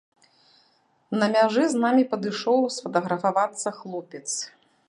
На мяжы з намі падышоў сфатаграфавацца хлопец.